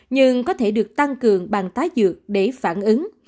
nhưng có thể được tăng cường bằng tá dược để phản ứng